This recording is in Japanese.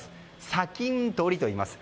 砂金採りといいます。